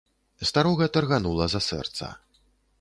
Старога тарганула за сэрца.